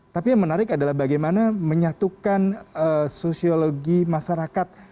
tapi yang menarik adalah bagaimana menyatukan sosiologi masyarakat